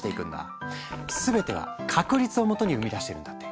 全ては「確率」を元に生み出しているんだって。